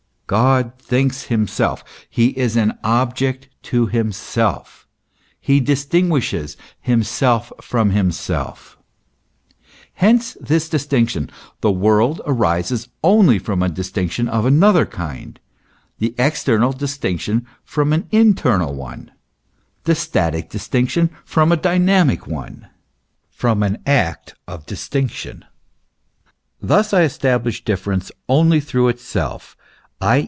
God thinks himself, he is an object to himself; he distinguishes himself from himself. Hence this distinction, the world, arises only from a distinction of another kind, the external distinction from an internal one, the static distinction from a dynamic one, from an act of dis tinction : thus I establish difference only through itself; i.